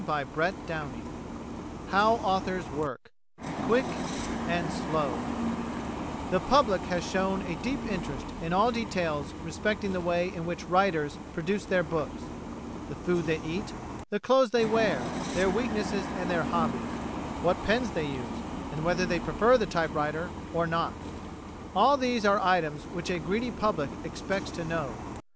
CHAPTER IX HOW AUTHORS WORK Quick and Slow The public has shown a deep interest in all details respecting the way in which writers produce their books; the food they eat, the clothes they wear, their weaknesses and their hobbies, what pens they use, and whether they prefer the typewriter or not all these are items which a greedy public expects to know.